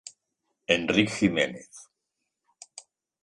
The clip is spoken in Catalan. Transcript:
Enric Giménez.